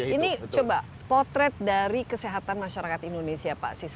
ini coba potret dari kesehatan masyarakat indonesia pak siswa